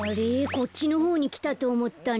こっちのほうにきたとおもったんだけど。